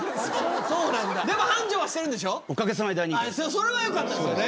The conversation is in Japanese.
それはよかったですよね。